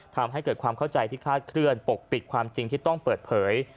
ทำให้เกิดความเข้าใจที่คาดเคลื่อนปกปิดความจริงที่ต้องเปิดเผย